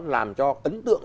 làm cho ấn tượng